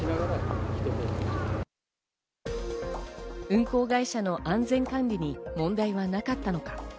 運航会社の安全管理に問題はなかったのか。